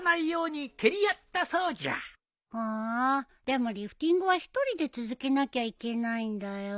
でもリフティングは一人で続けなきゃいけないんだよ。